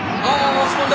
押し込んだ！